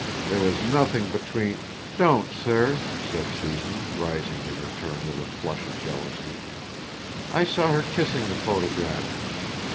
There was nothing between " "Don't, sir," said Susan, rising in her turn with a flush of jealousy. "I saw her kissing the photograph."